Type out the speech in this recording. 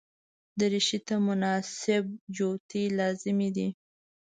دریشي ته مناسب جوتي لازمي دي.